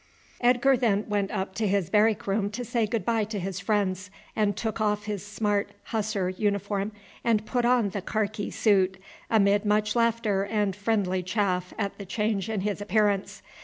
Edgar then went up to his barrack room to say good bye to his friends, and took off his smart Hussar uniform and put on the karkee suit, amid much laughter and friendly chaff at the change in his appearance.